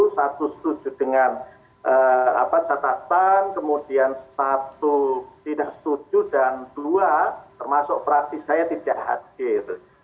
satu setuju dengan catatan kemudian satu tidak setuju dan dua termasuk praktis saya tidak hadir